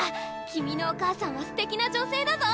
君のお母さんはすてきな女性だぞ！